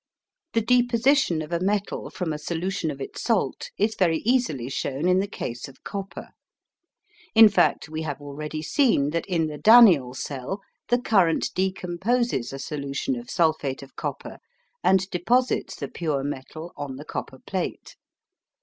The deposition of a metal from a solution of its salt is very easily shown in the case of copper. In fact, we have already seen that in the Daniell cell the current decomposes a solution of sulphate of copper and deposits the pure metal on the copper plate.